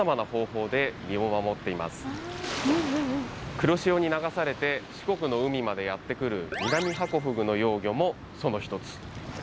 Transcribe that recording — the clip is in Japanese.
黒潮に流されて四国の海までやって来るミナミハコフグの幼魚もその一つ。